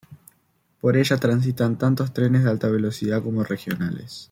Por ella transitan tanto trenes de alta velocidad como regionales.